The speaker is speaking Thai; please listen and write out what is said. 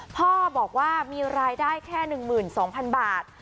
พ่อบอกว่ามีรายได้แค่๑๒๐๐๐บาท